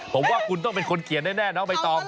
ผมว่าคุณต้องเป็นคนเขียนแน่น้องใบตอง